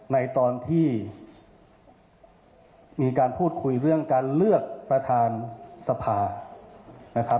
ในตอนที่มีการพูดคุยเรื่องการเลือกประธานสภานะครับ